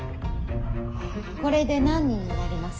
これで何人になります。